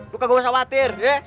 lo kagak usah khawatir ya